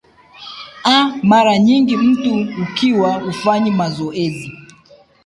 a mara nyingi mtu ukiwa hufanyi mazoezi